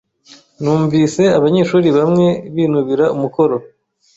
Numvise abanyeshuri bamwe binubira umukoro.